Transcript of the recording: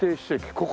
ここ？